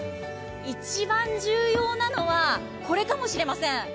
一番重要なのはこれかもしれません。